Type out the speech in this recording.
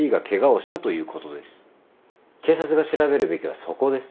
警察が調べるべきはそこです。